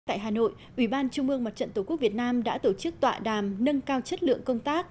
tại hà nội ủy ban trung mương mặt trận tổ quốc việt nam đã tổ chức tọa đàm nâng cao chất lượng công tác